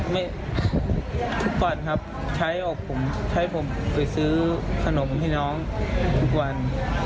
ไม่ทุกวันครับใช้อกผมใช้ผมไปซื้อขนมให้น้องทุกวัน